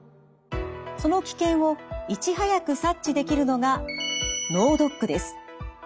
その危険をいち早く察知できるのが脳ドックです。